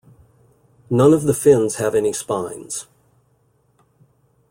None of the fins have any spines.